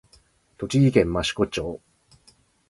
栃木県益子町